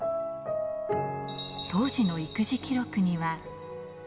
当時の育児記録には。